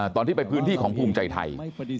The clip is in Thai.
ตอนที่ไปพื้นที่ของภูมิใจไทย